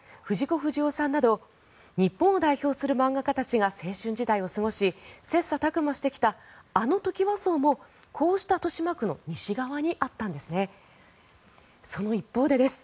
不二雄さんなど日本を代表する漫画家たちが青春時代を過ごし切磋琢磨してきたあのトキワ荘もこうした豊島区の西側にあったんですね。